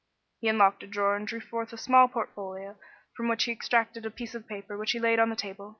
He unlocked a drawer and drew forth a small portfolio, from which he extracted a piece of paper which he laid on the table.